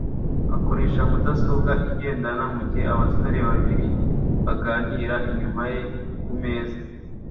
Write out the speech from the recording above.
akoresha mudasobwa igendanwa mugihe abasore babiri baganira inyuma ye kumeza.